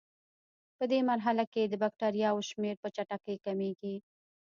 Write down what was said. پدې مرحله کې د بکټریاوو شمېر په چټکۍ کمیږي.